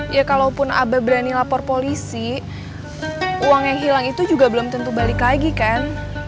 ya kalaupun abah berani lapor polisi uang yang hilang itu juga belum tentu balik lagi kan